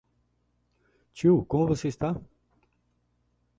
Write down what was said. Tio como você está?